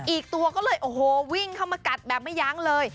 อีกตัวก็เลยโอ้โหวิ่งเข้ามากัดแบบไม่ยั้งเลย